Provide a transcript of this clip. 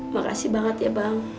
makasih banget ya bang